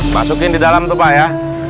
masukin di dalam tuh pak ya